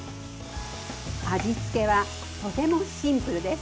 味付けはとてもシンプルです。